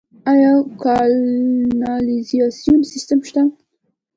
آیا کانالیزاسیون سیستم شته؟